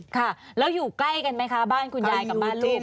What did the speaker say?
ค่ะแล้วอยู่ใกล้กันไหมคะบ้านคุณยายกับบ้านลูก